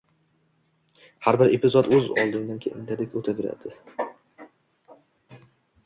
Har bir epizod ko`z oldingdan lentadek o`taveradi